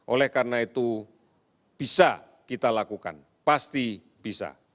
oleh karena itu bisa kita lakukan pasti bisa